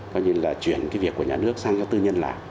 coi như là chuyển cái việc của nhà nước sang cho tư nhân làm